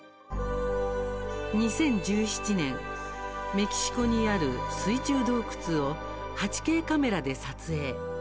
２０１７年メキシコにある水中洞窟を８Ｋカメラで撮影。